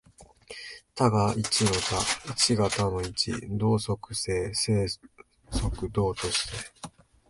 多が一の多、一が多の一、動即静、静即動として、